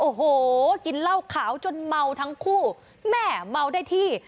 โอ้โหกินเหล้าขาวจนเมาทั้งคู่แม่เมาได้ที่